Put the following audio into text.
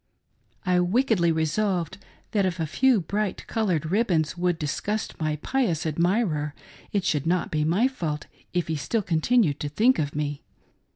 I wickedly resolved that if a few bright colored rib bons would disgust my pious admirer, it should not be my fault if he still continued to think of me.